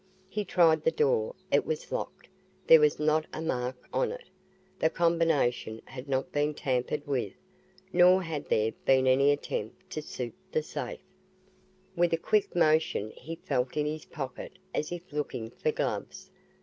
He tried the door. It was locked. There was not a mark on it. The combination had not been tampered with. Nor had there been any attempt to "soup" the safe. With a quick motion he felt in his pocket as if looking for gloves.